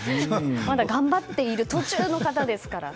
まだ頑張っている途中の方ですから。